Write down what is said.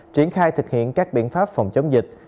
triển khai thực hiện các biện pháp phòng chống dịch